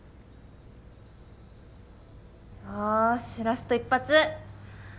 よしラスト一発。